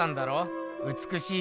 うつくしい